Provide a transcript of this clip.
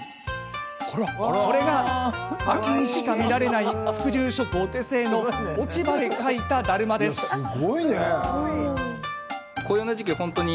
これが、秋にしか見られない副住職お手製の落ち葉で描いただるまです。